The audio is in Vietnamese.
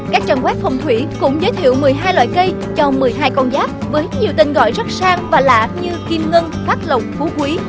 các trang web phong thủy cũng giới thiệu một mươi hai loại cây cho một mươi hai con giáp với nhiều tên gọi rất sang và lạ như kim ngân phát lộc phú quý